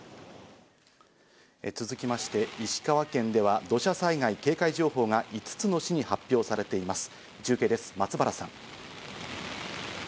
続きまして、石川県では土砂災害警戒情報が５つの市に発表されています。